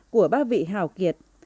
của bác vị hào kiệt